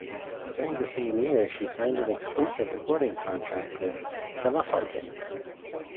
During the same year, she signed an exclusive recording contract with Telefunken.